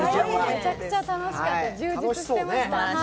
めちゃくちゃ楽しくて充実してました。